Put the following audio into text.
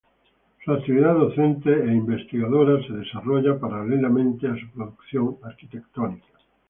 Su actividad docente e Investigadora se desarrolla paralelamente a su producción arquitectónica.